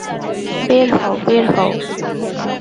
বের হও, বের হও।